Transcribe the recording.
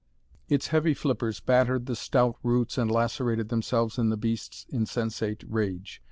Its heavy flippers battered the stout roots and lacerated themselves in the beast's insensate rage.